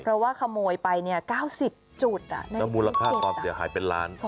เพราะว่าขโมยไปเนี่ย๙๐จุดแล้วมูลค่าความเสียหายเป็นล้าน